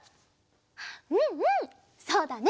うんうんそうだね！